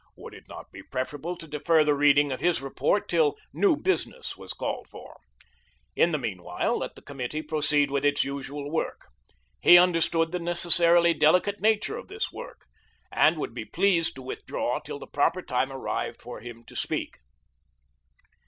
Would it not be preferable to defer the reading of his report till "new business" was called for? In the meanwhile, let the Committee proceed with its usual work. He understood the necessarily delicate nature of this work, and would be pleased to withdraw till the proper time arrived for him to speak.